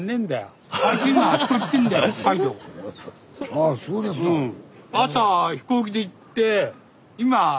ああそうですのん。